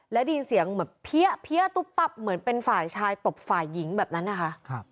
และได้ยินเสียงเหมือนเพี้ยตุ๊บปั๊บเหมือนเป็นฝ่ายชายตบฝ่ายหญิงแบบนั้นนะคะ